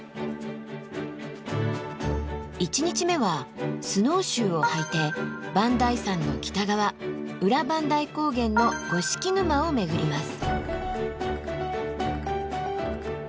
１日目はスノーシューを履いて磐梯山の北側裏磐梯高原の五色沼を巡ります。